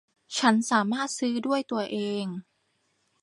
ฉันสามารถซื้อด้วยตัวเอง